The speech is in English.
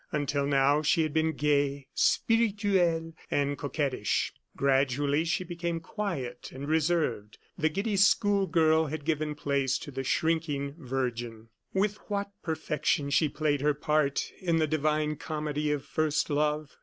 Until now she had been gay, spirituette, and coquettish; gradually, she became quiet and reserved. The giddy school girl had given place to the shrinking virgin. With what perfection she played her part in the divine comedy of first love!